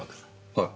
はい。